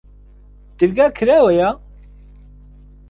دەرگا کراوەیە؟